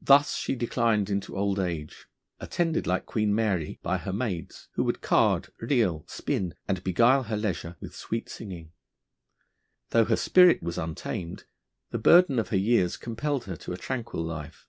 Thus she declined into old age, attended, like Queen Mary, by her maids, who would card, reel, spin, and beguile her leisure with sweet singing. Though her spirit was untamed, the burden of her years compelled her to a tranquil life.